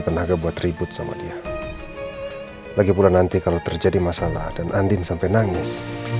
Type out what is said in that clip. tenaga buat ribut sama dia lagi pula nanti kalau terjadi masalah dan andin sampai nangis